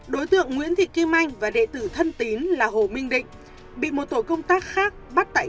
đối tượng nguyễn thị kim anh và đệ tử thân tín là hồ minh định bị một tổ công tác khác bắt tại